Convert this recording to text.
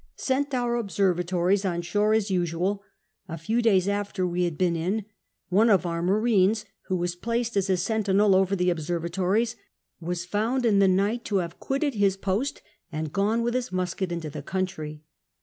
Sent our observa tories on shore as usual ; a few days after we had been in, one of our marines, who was placed as a sentinel over the observatories, was found in the night to have quitted his post and gone with his musket into the country.